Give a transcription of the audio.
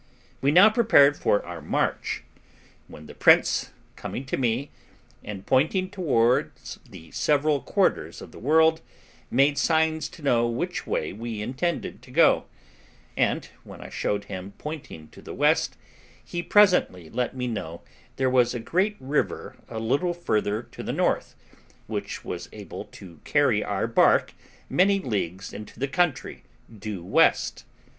We now prepared for our march, when the prince coming to me, and pointing towards the several quarters of the world, made signs to know which way we intended to go; and when I showed him, pointing to the west, he presently let me know there was a great river a little further to the north, which was able to carry our bark many leagues into the country due west.